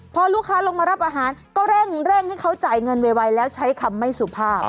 พอลูกค้าลงมารับอาหารก็เร่งให้เขาจ่ายเงินไวแล้วใช้คำไม่สุภาพ